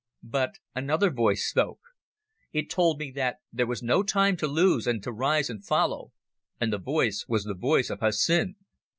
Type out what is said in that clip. But another voice spoke. It told me that there was no time to lose and to rise and follow, and the voice was the voice of Hussin.